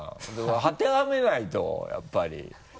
当てはめないとやっぱり。